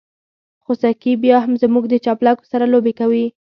خوسکي بيا هم زموږ د چپلکو سره لوبې کوي.